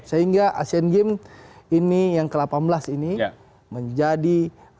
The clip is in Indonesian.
sehingga asian games ini yang ke delapan belas ini menjadi